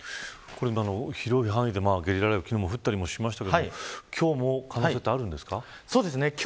広い範囲でゲリラ雷雨が昨日も降ったりしましたけど今日も可能性あるんですか。